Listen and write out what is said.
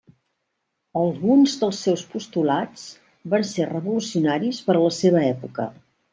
Alguns dels seus postulats van ser revolucionaris per a la seva època.